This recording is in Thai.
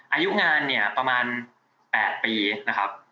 อายุงานเนี่ยประมาณ๘ปีนะครับ